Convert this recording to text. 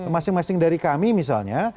masing masing dari kami misalnya